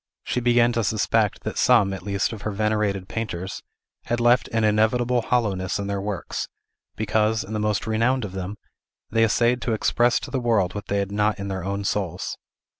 She began to suspect that some, at least, of her venerated painters, had left an inevitable hollowness in their works, because, in the most renowned of them, they essayed to express to the world what they had not in their own souls.